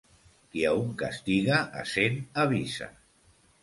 Qui a un castiga, a cent avisa.